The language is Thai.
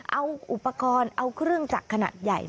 เอาอุปกรณ์เอาเครื่องจักรขนาดใหญ่